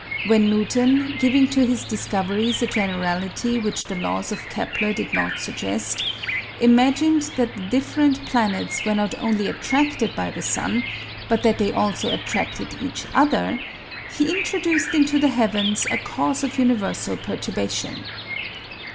When Newton, giving to his discoveries a generality which the laws of Kepler did not suggest, imagined that the different planets were not only attracted by the sun, but that they also attracted each other, he introduced into the heavens a cause of universal perturbation.